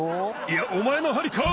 いやおまえのはりかい！